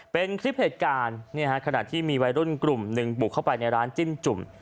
เป็นคลิปเหตุการณ์ขณะที่มีวัยรุ่นกลุ่มหนึ่งบุกเข้าไปในร้านจิ้มจุ่ม